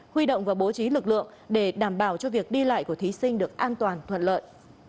huy động và bố trí lực lượng để đảm bảo cho việc đi lại của thí sinh được an toàn thuận lợi